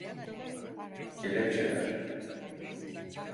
Kelepçeler…